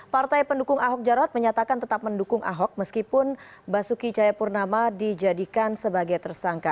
partai pendukung ahok jarot menyatakan tetap mendukung ahok meskipun basuki cayapurnama dijadikan sebagai tersangka